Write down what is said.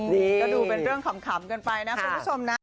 นี่ก็ดูเป็นเรื่องขำกันไปนะคุณผู้ชมนะ